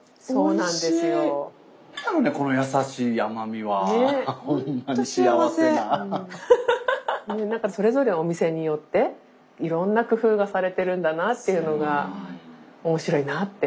なんかそれぞれお店によっていろんな工夫がされてるんだなっていうのがおもしろいなって思います。